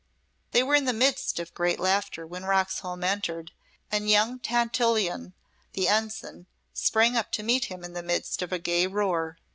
They were in the midst of great laughter when Roxholm entered, and young Tantillion, the ensign, sprang up to meet him in the midst of a gay roar.